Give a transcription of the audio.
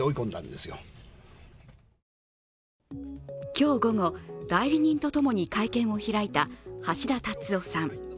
今日午後、代理人とともに会見を開いた橋田達夫さん。